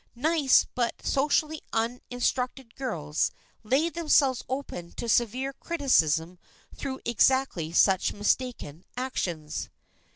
Nice but socially uninstructed girls lay themselves open to severe criticism through exactly such mistaken actions.